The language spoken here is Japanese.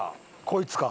こいつか。